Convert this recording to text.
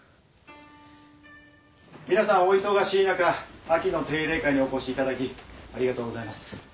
皆さんお忙しい中秋の定例会にお越しいただきありがとうございます。